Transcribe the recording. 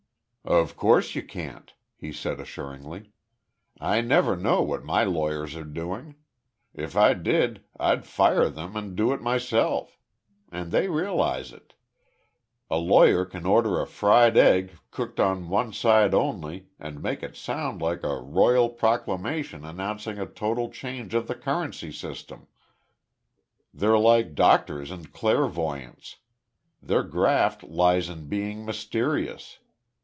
"Of course you can't," he said, assuringly. "I never know what my lawyers are doing. If I did, I'd fire them and do it myself. And they realize it. A lawyer can order a fried egg, cooked on one side only, and make it sound like a royal proclamation announcing a total change of the currency system. They're like doctors and clairvoyants. Their graft lies in being mysterious.